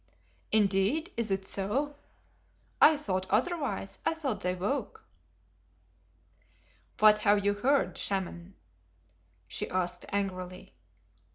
"Indeed, is it so? I thought otherwise. I thought they woke." "What have you heard, Shaman (i.e. wizard)?" she asked angrily.